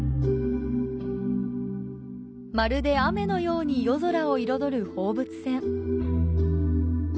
まるで雨のように夜空を彩る放物線。